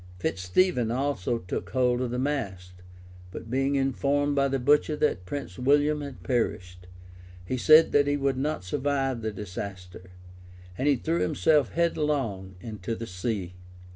Fitz Stephens also took hold of the mast; but being informed by the butcher that Prince William had perished, he said that he would not survive the disaster; and he threw himself headlong into the sea.